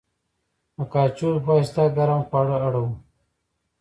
د کاچوغې په واسطه ګرم خواړه اړوو.